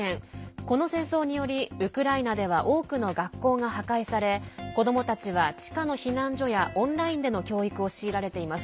この戦争によりウクライナでは多くの学校が破壊され子どもたちは地下の避難所やオンラインでの教育を強いられています。